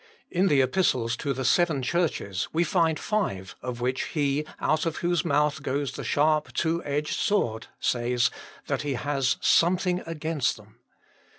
In the Epistles to the seven churches we find five of which He, out of whose mouth goes the sharp, two edged sword, says, that He has something against them.